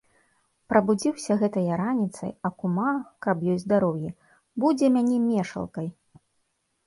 Прабудзіўся гэта я раніцай, а кума, каб ёй здароўе, будзе мяне мешалкай.